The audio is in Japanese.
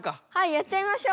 やっちゃいましょう。